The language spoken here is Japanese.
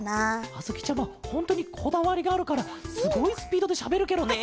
あづきちゃまほんとにこだわりがあるからすごいスピードでしゃべるケロね。